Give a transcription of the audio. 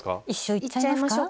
いっちゃいましょうか。